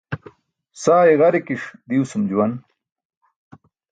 Saa i̇ġarikiṣ diwasum juwan.